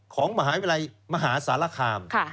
ของมหาวิทยาลัยมหาสารคาม